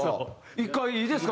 １回いいですか？